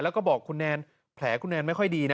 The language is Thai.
แล้วก็บอกคุณแนนแผลคุณแนนไม่ค่อยดีนะ